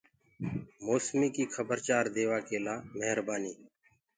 موسمي ڪي کبر چآر ديوآ ڪي لآ مهربآني۔